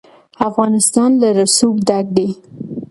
افغانستان له رسوب ډک دی.